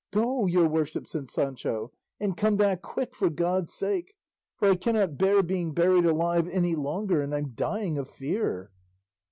"Go, your worship," said Sancho, "and come back quick for God's sake; for I cannot bear being buried alive any longer, and I'm dying of fear."